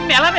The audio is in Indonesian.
ini nelam ya